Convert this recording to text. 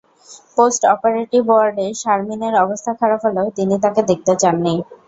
Post operative ওয়ার্ডে শারমিনের অবস্থা খারাপ হলেও তিনি তাঁকে দেখতে চাননি।